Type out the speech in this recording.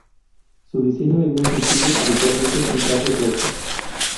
Su diseño es muy sencillo, habitualmente son trazos rectos.